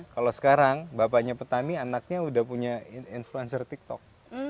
kalau sekarang bapaknya petani anaknya udah punya influencer tiktok